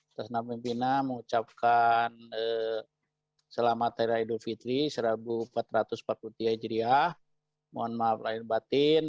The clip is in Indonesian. setelah pimpinan mengucapkan selamat harian idul fitri serabu empat ratus pak putri hijriah mohon maaf lain batin